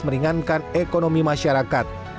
meringankan ekonomi masyarakat